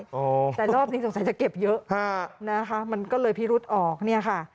แต่รอบนี้สงสัยจะเก็บเยอะฮะนะคะมันก็เลยพิรุษออกเนี่ยค่ะ